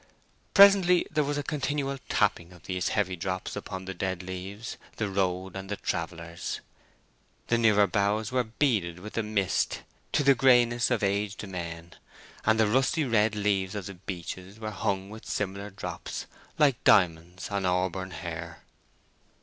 Presently there was a continual tapping of these heavy drops upon the dead leaves, the road, and the travellers. The nearer boughs were beaded with the mist to the greyness of aged men, and the rusty red leaves of the beeches were hung with similar drops, like diamonds on auburn hair.